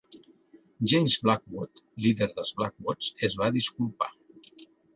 James Blackwood, líder dels Blackwoods, es va disculpar.